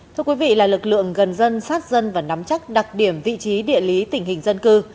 thưa quý vị là lực lượng gần dân sát dân và nắm chắc đặc điểm vị trí địa lý tình hình dân cư